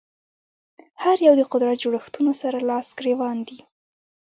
هر یو د قدرت جوړښتونو سره لاس ګرېوان دي